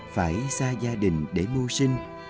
phải xa gia đình để mua sinh